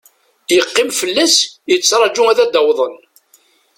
Yeqqim fell-as yettraju ad d-awḍen.